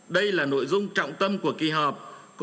đây là nội dung trọng tâm của kỳ họp